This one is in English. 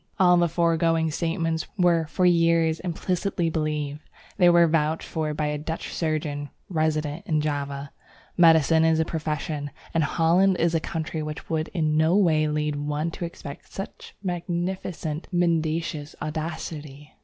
All the foregoing statements were for years implicitly believed. They were vouched for by a Dutch surgeon resident in Java. Medicine is a profession, and Holland is a country which would in no way lead one to expect such magnificent mendacious audacity!